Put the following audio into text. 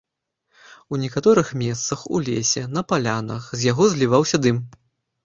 У некаторых месцах, у лесе, на палянах, з яго зліваўся дым.